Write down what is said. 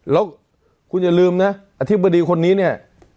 แล้วคุณอย่าลืมนะอธิบดีคนนี้เนี่ย